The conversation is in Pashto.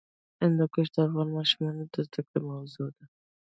هندوکش د افغان ماشومانو د زده کړې موضوع ده.